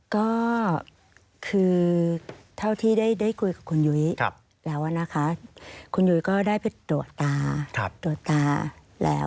ก็คือเท่าที่ได้คุยกับคุณยุ้ยคุณยุ้ยก็ได้ไปตรวจตาแล้ว